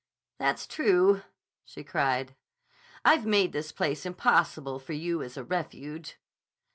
"That's true," she cried. "I've made this place impossible for you as a refuge."